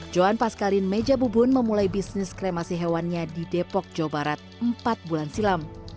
johan paskalin meja bubun memulai bisnis kremasi hewannya di depok jawa barat empat bulan silam